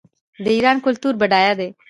د ایران کلتور بډایه دی.